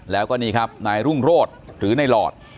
แล้วก็นี่ครับนายรุ่งโรธหรือในหลอด